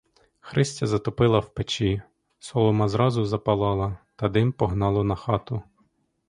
Христя затопила в печі; солома зразу запалала, та дим погнало на хату.